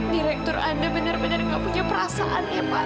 direktur anda benar benar tidak punya perasaannya pak